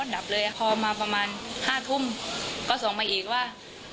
ต่อมาประมาณ๕ทุ่มก็ส่งมาอีกว่า